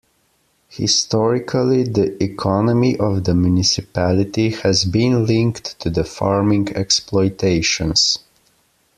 Historically, the economy of the municipality has been linked to the farming exploitations.